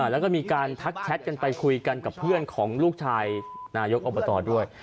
แล้วก็มีการทักแชทกันไปคุยกันกับเพื่อนของลูกชายนายกอบตด้วย